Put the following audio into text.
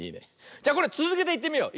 じゃこれつづけていってみよう。